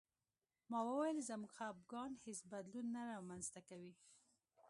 ما وویل زموږ خپګان هېڅ بدلون نه رامنځته کوي